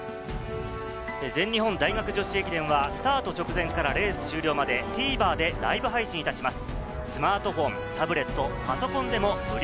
全日本大学女子駅伝はスタート直前からレース終了までＴＶｅｒでライブ配信いたします。